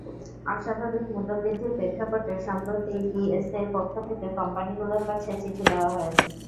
অস্বাভাবিক মূল্যবৃদ্ধির প্রেক্ষাপটে সম্প্রতি ডিএসইর পক্ষ থেকে কোম্পানিগুলোর কাছে চিঠি দেওয়া হয়।